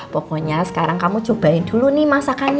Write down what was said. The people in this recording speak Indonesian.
pokoknya sekarang kamu cobain dulu nih masakannya